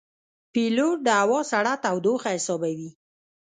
پیلوټ د هوا سړه تودوخه حسابوي.